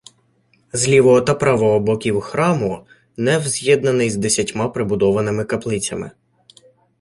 З лівого та правого боків храму неф з'єднаний з десятьма прибудованими каплицями.